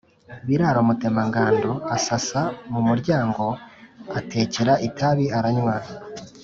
Biraro Mutemangando asasa mu muryango, atekera itabi aranywa